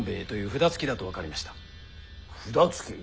札つき？